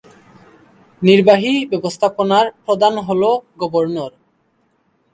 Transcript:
নির্বাহী ব্যবস্থাপনার প্রধান হ'ল গভর্নর।